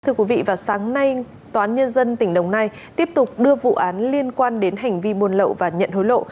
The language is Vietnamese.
thưa quý vị vào sáng nay tòa án nhân dân tỉnh đồng nai tiếp tục đưa vụ án liên quan đến hành vi buôn lậu và nhận hối lộ